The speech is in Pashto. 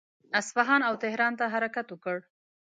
اصفهان او تهران ته حرکت وکړ.